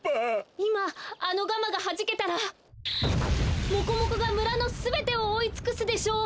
いまあのガマがはじけたらモコモコがむらのすべてをおおいつくすでしょう！